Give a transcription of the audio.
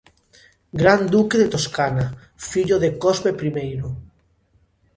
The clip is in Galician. Gran duque de Toscana, fillo de Cosme Primeiro.